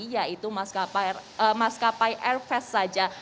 yaitu maskapai airfast saja